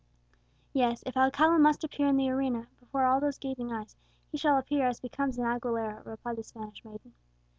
"Yes; if Alcala must appear in the arena before all those gazing eyes, he shall appear as becomes an Aguilera," replied the Spanish maiden.